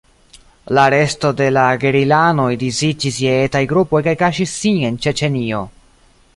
La resto de la gerilanoj disiĝis je etaj grupoj kaj kaŝis sin en Ĉeĉenio.